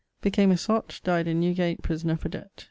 Became a sott. Dyed in Newgate, prisoner for debt